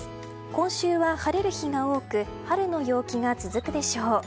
今週は晴れる日が多く春の陽気が続くでしょう。